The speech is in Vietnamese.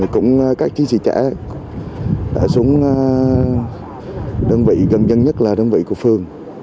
cũng các chiến sĩ trẻ xuống đơn vị gần dân nhất là đơn vị của phường